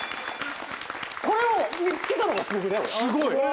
これを見つけたのがすごくねえ？